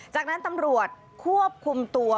จากนั้นตำรวจควบคุมตัว